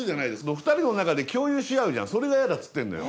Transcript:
２人の中で共有し合うじゃんそれが嫌だっつってんのよ。